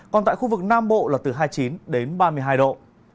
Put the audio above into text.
còn tại khu vực nam bộ là từ hai mươi chín đến ba mươi hai độ